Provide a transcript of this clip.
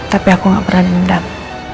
tapi aku gak pernah diundang